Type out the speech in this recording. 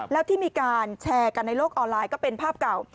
แล้วที่มีการแชร์กันในโลกออนไลน์ก็เป็นภาพเก่า